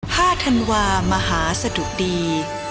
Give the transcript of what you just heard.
ธันวามหาสะดุดี